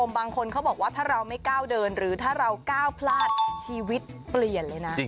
บางคนเขาบอกว่าถ้าเราไม่ก้าวเดินหรือถ้าเราก้าวพลาดชีวิตเปลี่ยนเลยนะ